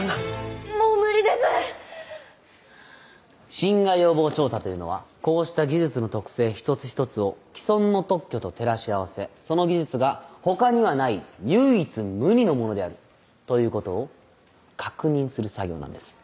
侵害予防調査というのはこうした技術の特性一つ一つを既存の特許と照らし合わせその技術が他にはない唯一無二のものであるということを確認する作業なんです。